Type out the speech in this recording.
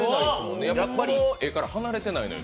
この絵から離れてないのよ